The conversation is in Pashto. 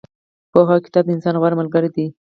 پوهه او کتاب د انسان غوره ملګري دي.